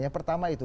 yang pertama itu